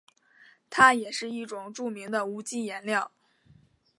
它也是一种著名的无机颜料。